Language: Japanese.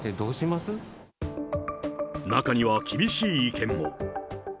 中には厳しい意見も。